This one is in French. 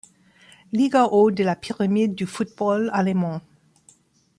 Liga au de la pyramide du football allemand.